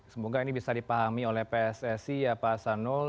semoga ini bisa dipahami oleh pssi ya pak asanul